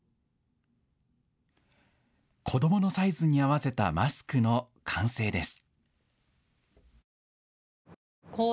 子どものサイズに合わせたマスクの完成です。